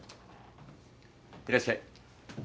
・いらっしゃい。